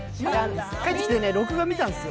帰ってきて録画を見たんですよ。